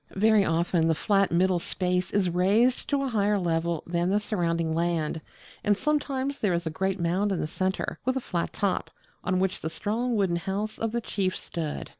Very often the flat middle space is raised to a higher level than the surrounding land, and sometimes there is a great mound in the centre, with a flat top, on which the strong wooden house of the chief stood.